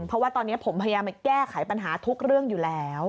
เพราะว่าตอนนี้ผมพยายามแก้ไขปัญหาทุกเรื่องอยู่แล้ว